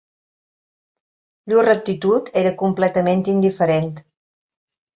Llur actitud era completament indiferent